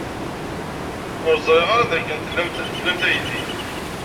Ur ẓriɣ ara dakken tlam aydi.